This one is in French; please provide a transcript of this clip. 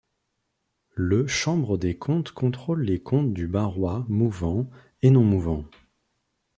Le Chambre des comptes contrôle les comptes du Barrois mouvant et non mouvant.